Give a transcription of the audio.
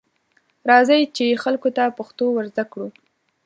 راځئ، چې خلکو ته پښتو ورزده کړو.